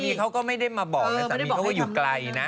นี่เขาก็ไม่ได้มาบอกนะสามีเขาก็อยู่ไกลนะ